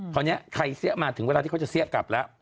คราวนี้ใครเสี้ยมาถึงเวลาที่เขาจะเสี้ยกลับแล้ว